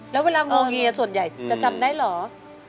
และเวลางงอยยาส่วนใหญ่จะจำได้หรือ